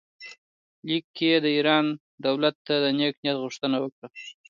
لیک کې یې د ایران دولت ته د نېک نیت غوښتنه وکړه.